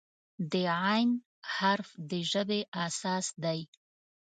د "ع" حرف د ژبې اساس دی.